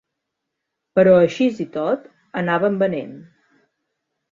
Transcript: Però aixís i tot, anaven venent.